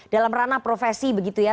dalam ranah profesi begitu ya